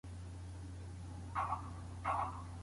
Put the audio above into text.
ذهني فشار د زده کړي لوی دښمن دی.